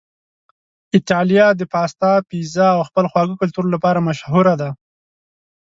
ایتالیا د پاستا، پیزا او خپل خواږه کلتور لپاره مشهوره ده.